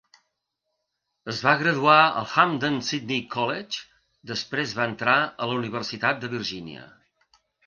Es va graduar al Hampden-Sydney College, després va entrar a la Universitat de Virgínia.